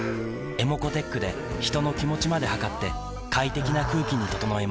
ｅｍｏｃｏーｔｅｃｈで人の気持ちまで測って快適な空気に整えます